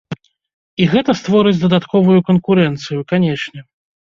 І гэта створыць дадатковую канкурэнцыю, канешне.